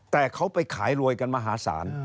แต่เขาไปขายรวยกันมหาศาล